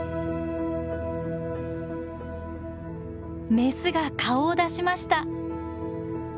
メスが顔を出しました。